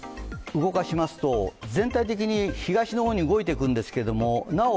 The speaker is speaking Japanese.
動かしますと、全体的に東の方に動いていくんですけどなお